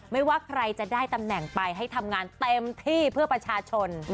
ว่าใครจะได้ตำแหน่งไปให้ทำงานเต็มที่เพื่อประชาชน